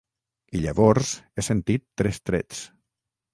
I llavors he sentit tres trets.